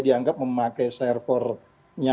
dianggap memakai servernya